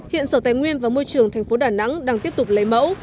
hiện sở tài nguyên và môi trường tp đà nẵng đang tiếp tục lấy mẫu